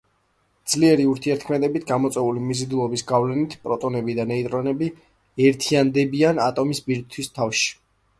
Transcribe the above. ძლიერი ურთიერთქმედებით გამოწვეული მიზიდულობის გავლენით პროტონები და ნეიტრონები ერთიანდებიან ატომის ბირთვში.